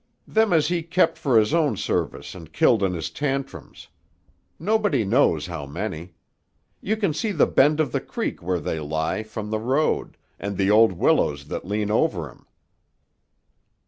"Them as he kept for his own service an' killed in his tantrums. Nobody knows how many. You can see the bend of the creek where they lie, from the road, and the old willows that lean over 'em."